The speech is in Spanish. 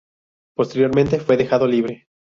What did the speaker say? Posteriormente fue dejado libre.